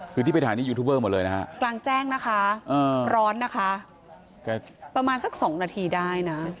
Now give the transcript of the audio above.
คือที่ไปถ่ายนี่ยูทูบเบอร์หมดเลยนะฮะกลางแจ้งนะคะร้อนนะคะประมาณสักสองนาทีได้นะ